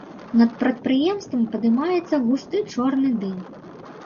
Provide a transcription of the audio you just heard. Над прадпрыемствам падымаецца густы чорны дым.